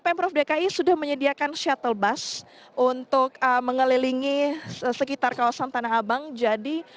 pemprov dki sudah menyediakan shuttle bus untuk mengelilingi sekitar kawasan tanah abang jadi